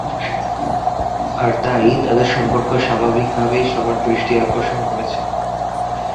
আর তাই, তাদের সম্পর্ক স্বাভাবিকভাবেই সবার দৃষ্টি আকর্ষণ করেছে।